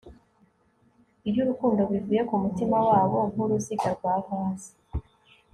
iyo urukundo, bivuye kumutima wabo, nkuruziga rwa vase